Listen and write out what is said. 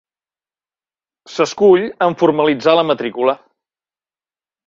S'escull en formalitzar la matrícula.